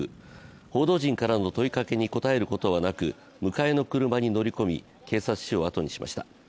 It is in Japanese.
報道陣からの問いかけに答えることはなく、迎えの車に乗り込み、警察署を後にしました。